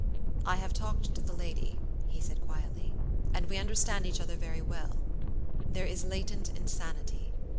"I have talked to the lady," he said, quietly, "and we understand each other very well. There is latent insanity!